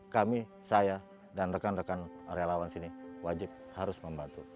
kami saya dan rekan rekan relawan sini wajib harus membantu